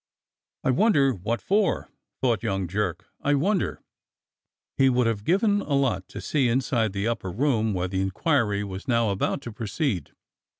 "I wonder what for.^^" thought young Jerk. "I wonder .f^" He would have given a lot to see inside that upper room, where the inquiry was now about to proceed.